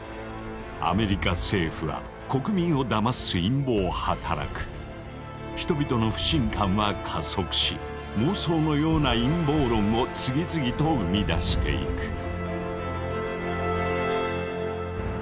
アメリカ政府は国民をだます陰謀を働く人々の不信感は加速し妄想のような陰謀論を次々と生み出していく。